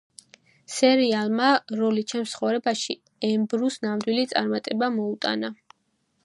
სერიალმა „როლი ჩემს ცხოვრებაში“ ებრუს ნამდვილი წარმატება მოუტანა.